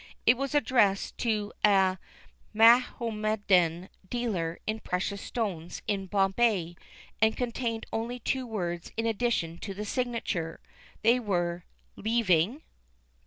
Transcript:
It was addressed to a Mahommedan dealer in precious stones in Bombay, and contained only two words in addition to the signature. They were: "Leaving?